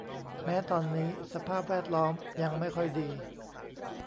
แม้ตอนนี้สภาพแวดล้อมยังไม่ค่อยดี